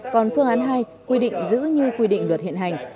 còn phương án hai quy định giữ như quy định luật hiện hành